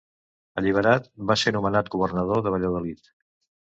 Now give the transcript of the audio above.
Alliberat, va ser nomenat governador de Valladolid.